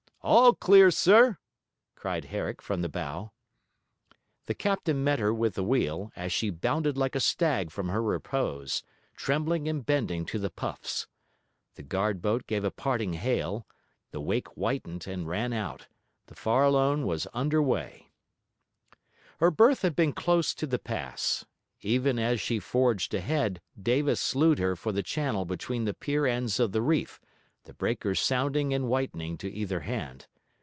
'All clear, sir,' cried Herrick from the bow. The captain met her with the wheel, as she bounded like a stag from her repose, trembling and bending to the puffs. The guard boat gave a parting hail, the wake whitened and ran out; the Farallone was under weigh. Her berth had been close to the pass. Even as she forged ahead Davis slewed her for the channel between the pier ends of the reef, the breakers sounding and whitening to either hand.